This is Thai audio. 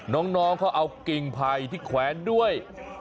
น้องเค้าเอากงไพที่แขวนด้วย